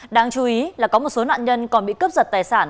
đáng chú ý là có một số nạn nhân còn bị cướp giật tài sản